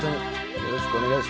よろしくお願いします。